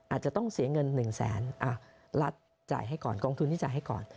อาจจะต้องเสียเงิน๑แสนรัฐจ่ายให้ก่อนกองทุนที่จ่ายให้ก่อน